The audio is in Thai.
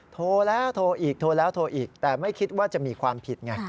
โทรแล้วโทรอีกโทรแล้วโทรอีกแต่ไม่คิดว่าจะมีความผิดไง